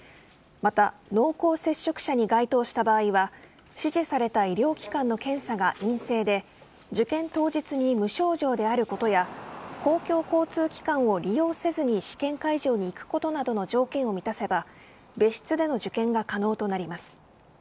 また濃厚接触者に該当した場合は指示された医療機関の検査が陰性で受験当日に無症状であることや公共交通機関を利用せずに試験会場に行くことなどの条件を満たせば別室での受験が可能となります。